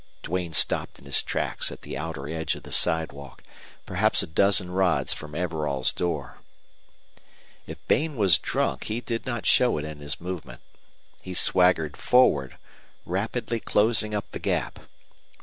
Duane stopped in his tracks at the outer edge of the sidewalk, perhaps a dozen rods from Everall's door. If Bain was drunk he did not show it in his movement. He swaggered forward, rapidly closing up the gap.